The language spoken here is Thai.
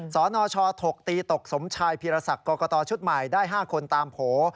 สนชถกตีตกสมชายพีรศักดิ์กรกตชุดใหม่ได้๕คนตามโผล่